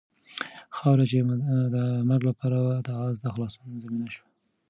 خاوره چې د مرګ لپاره وه د آس د خلاصون زینه شوه.